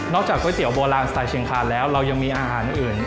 จากก๋วยเตี๋ยโบราณสไตลเชียงคานแล้วเรายังมีอาหารอื่น